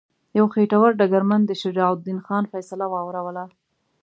یو خیټور ډګرمن د شجاع الدین خان فیصله واوروله.